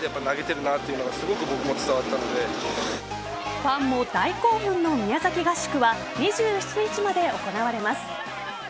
ファンも大興奮の宮崎合宿は２７日まで行われます。